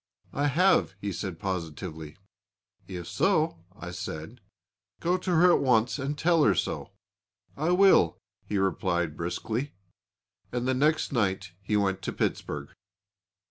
'I have,' he said positively. 'If so,' I said, 'go to her at once and tell her so.' 'I will,' he replied briskly and the next night he went to Pittsburg."